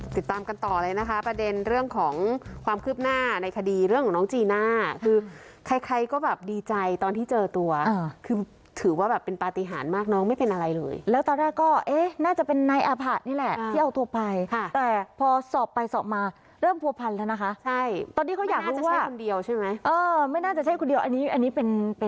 ติดตามกันต่อเลยนะคะประเด็นเรื่องของความคืบหน้าในคดีเรื่องของน้องจีน่าคือใครใครก็แบบดีใจตอนที่เจอตัวคือถือว่าแบบเป็นปฏิหารมากน้องไม่เป็นอะไรเลยแล้วตอนแรกก็เอ๊ะน่าจะเป็นนายอาผะนี่แหละที่เอาตัวไปค่ะแต่พอสอบไปสอบมาเริ่มผัวพันแล้วนะคะใช่ตอนนี้เขาอยากให้คนเดียวใช่ไหมเออไม่น่าจะใช่คนเดียวอันนี้อันนี้เป็นเป็น